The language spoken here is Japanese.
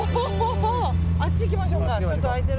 あっち行きましょうか。